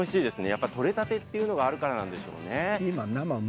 やっぱり取れたてっていうのがあるからなんでしょうね。